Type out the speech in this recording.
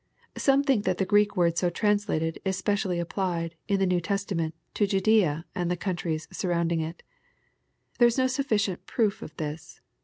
'] Some think that the G reek word so translated, is specially appUed, in the New Testament, to Judsea and the countries surromiding it There is no sufficient proof of this.